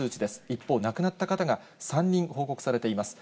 一方、亡くなった方が３人報告されています。